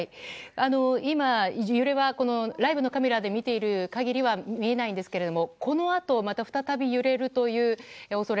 今、揺れはライブのカメラで見ている限りは見えないんですけれどもこのあとまた再び揺れるという恐れ